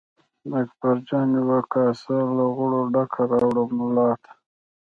اکبرجان یوه کاسه له غوړو ډکه راوړه ملا ته.